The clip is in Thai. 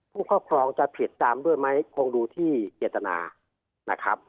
ครอบครองจะผิดตามด้วยไหมคงดูที่เจตนานะครับ